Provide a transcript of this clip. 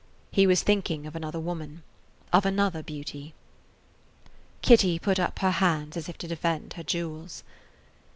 He was thinking of another woman, of another beauty. Kitty put up her hands as if to defend her jewels.